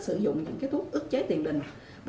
sử dụng những thuốc ước chế tiền đình